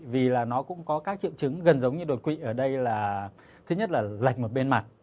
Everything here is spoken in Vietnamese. vì là nó cũng có các triệu chứng gần giống như đột quỵ ở đây là thứ nhất là lệch một bên mặt